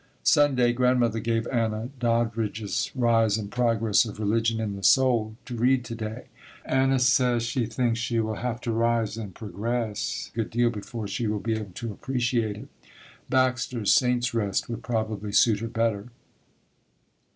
Sunday. Grandmother gave Anna, Doddridge's "Rise and Progress of Religion in the Soul" to read to day. Anna says she thinks she will have to rise and progress a good deal before she will be able to appreciate it. Baxter's "Saints Rest" would probably suit her better.